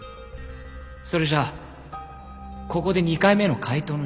それじゃここで２回目の解答の時間だ。